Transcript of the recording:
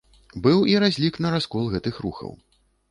Быў і разлік на раскол гэтых рухаў.